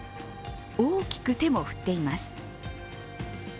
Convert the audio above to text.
大きく手も振っています。